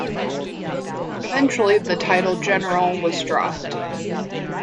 Eventually, the title "General" was dropped.